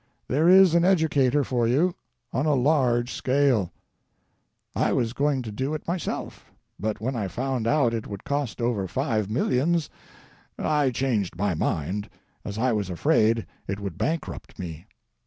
There is an educator for you on a large scale. I was going to do it myself, but when I found out it would cost over five millions I changed my mind, as I was afraid it would bankrupt me.